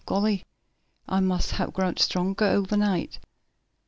Golly, I must hab growed strong ober night!